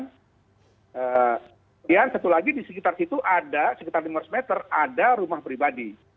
kemudian satu lagi di sekitar situ ada sekitar lima ratus meter ada rumah pribadi